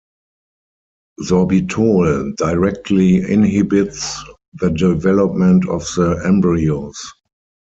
Sorbitol directly inhibits the development of the embryos.